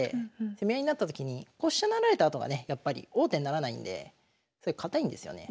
攻め合いになったときに飛車成られたあとがねやっぱり王手にならないんで堅いんですよね。